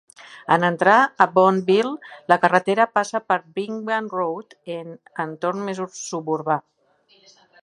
En entrar a Boonville, la carretera passa a ser Bingham Road, en un entorn més suburbà.